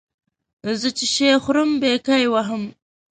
زه چې شی خورم بیا کای وهم